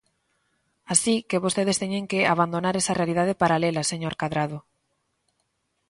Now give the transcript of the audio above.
Así que vostedes teñen que abandonar esa realidade paralela, señor Cadrado.